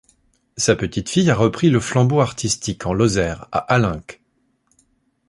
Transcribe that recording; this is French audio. Sa petite fille a repris le flambeau artistique, en Lozère, à Allenc.